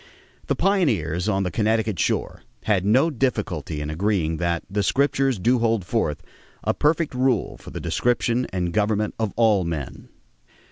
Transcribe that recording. The pioneers on the Connecticut shore had no difficulty in agreeing that "the Scriptures do hold forth a perfect rule for the direction and government of all men."